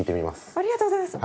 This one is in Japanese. ありがとうございます。